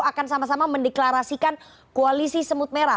akan sama sama mendeklarasikan koalisi semut merah